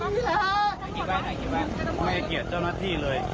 พี่